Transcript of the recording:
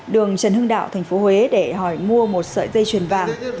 đường trần hưng đạo tp huế để hỏi mua một sợi dây chuyền vàng